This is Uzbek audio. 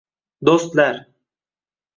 Do'stlar!